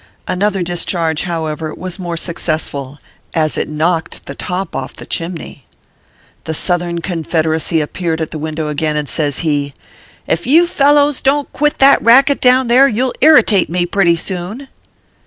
Another discharge, however, was more successful, as it knocked the top oif the chimney. The Southern Confederacy appeared at the window again, and says he :" If you fellows don t quit that racket down there, you ll irritate me pretty soon."